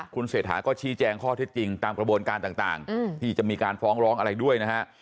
คุณเศรษฐาก็ชี้แจงข้อเท็จจริงตามกระบวนการต่างที่จะมีการฟ้องร้องอะไรด้วยนะฮะ